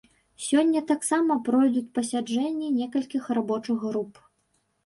Сёння таксама пройдуць пасяджэнні некалькіх рабочых груп.